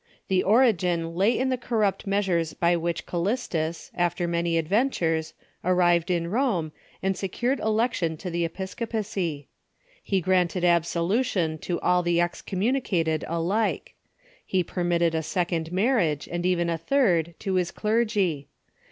The origin lay in the corrupt meas ures by which Callistus, after many adventures, Novatian Schism • n • t» j i i *• j. ^.t, arrived in Rome, and secured election to the episcopacy. He granted absolution to all the excommunicat ed alike. He permitted a second marriage, and even a third, to his clergy.